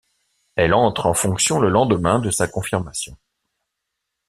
Elle entre en fonction le lendemain de sa confirmation.